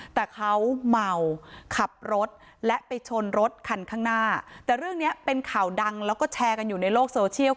แต่เขาเมาขับรถและไปชนรถคันข้างหน้าแต่เรื่องเนี้ยเป็นข่าวดังแล้วก็แชร์กันอยู่ในโลกโซเชียล